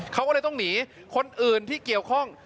เขาก็เลยต้องหนีคนอื่นที่เกี่ยวข้อง